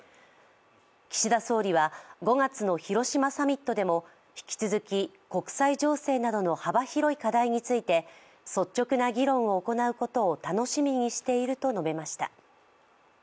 岸田総理は、５月の広島サミットでも引き続き国際情勢などの幅広い課題について率直な議論を行うことを楽しみにしていると述べました。